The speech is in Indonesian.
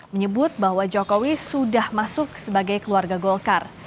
menyebut bahwa jokowi sudah masuk sebagai keluarga golkar